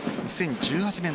２０１８年